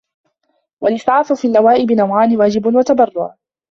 وَالْإِسْعَافُ فِي النَّوَائِبِ نَوْعَانِ وَاجِبٌ وَتَبَرُّعٌ